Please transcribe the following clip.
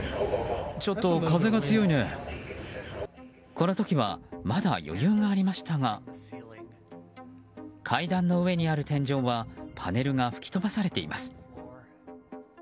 この時はまだ余裕がありましたが階段の上にある天井はパネルが吹き飛ばされています。